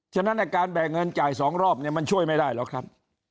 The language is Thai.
ฉะนั้นการแบ่งเงินจ่าย๒รอบเนี่ยมันช่วยไม่ได้หรอกครับ